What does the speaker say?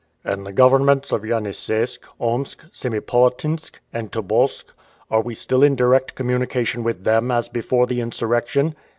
"And the governments of Yeniseisk, Omsk, Semipolatinsk, and Tobolsk are we still in direct communication with them as before the insurrection?"